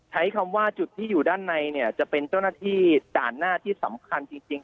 ใช้คำว่าจุดที่อยู่ด้านในเนี่ยจะเป็นเจ้าหน้าที่ด่านหน้าที่สำคัญจริง